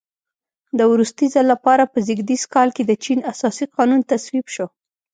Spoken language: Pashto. د وروستي ځل لپاره په زېږدیز کال کې د چین اساسي قانون تصویب شو.